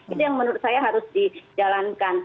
itu yang menurut saya harus dijalankan